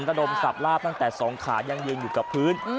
ระดมสับลาบตั้งแต่๒ขายังยืนอยู่กับพื้น